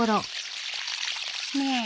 ねえ